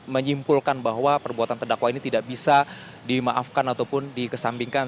menyimpulkan bahwa perbuatan terdakwa ini tidak bisa dimaafkan ataupun dikesampingkan